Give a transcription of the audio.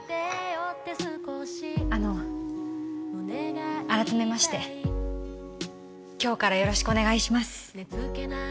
あの改めまして今日からよろしくお願いします